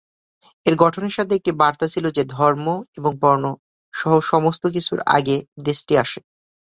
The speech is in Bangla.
এর গঠনের সাথে একটি বার্তা ছিল যে ধর্ম এবং বর্ণ সহ সমস্ত কিছুর আগে দেশটি আসে।